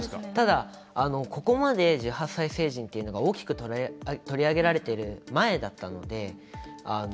ただ、ここまで１８歳成人っていうのが大きく取り上げられている前だったので。